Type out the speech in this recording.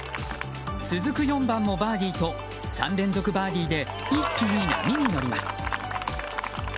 続く４番もバーディーと３連続バーディーで一気に波に乗ります。